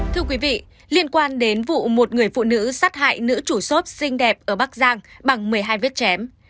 thưa quý vị liên quan đến vụ một người phụ nữ sát hại nữ chủ xốp xinh đẹp ở bắc giang bằng một mươi hai vết chém